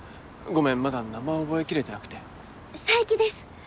ごめんまだ名前覚え切れてなくて佐伯です